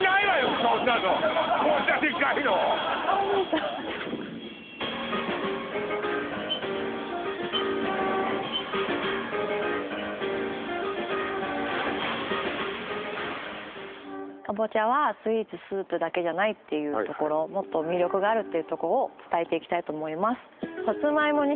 そんなのこんなデカいのカボチャはスイーツスープだけじゃないっていうところをもっと魅力があるっていうとこを伝えていきたいと思います